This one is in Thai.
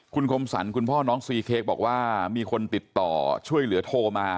คุณคมสรรคุณพ่อน้องซีเค้กบอกว่ามีคนติดต่อช่วยเหลือโทรมา